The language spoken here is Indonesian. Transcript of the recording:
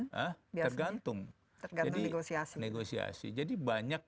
tergantung jadi banyak